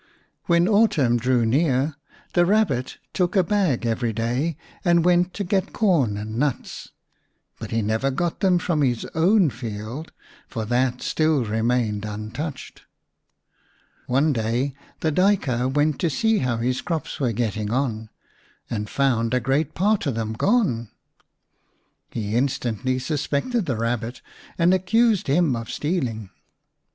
When autumn drew near the Kabbit took a bag every day and went to get corn and nuts. But he never got them from his own field, for that still remained untouched. One day the Duyker went to see how his crops were getting on, and found a great part of them gone. He instantly suspected the Kabbit, and accused him of stealing.